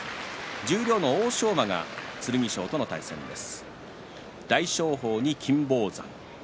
十両の欧勝馬は剣翔と対戦します。